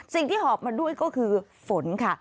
สิ่งที่หอบมาด้วยก็คือฝนค่ะ